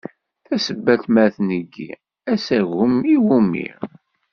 Tasebbalt ma tneggi, asagem iwumi?